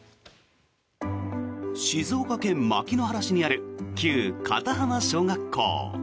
静岡県牧之原市にある旧片浜小学校。